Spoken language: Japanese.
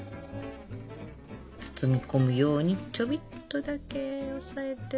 包み込むようにちょびっとだけ押さえて。